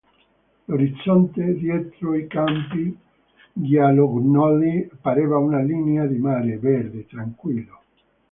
L'orizzonte, dietro i campi giallognoli, pareva una linea di mare, verde tranquillo.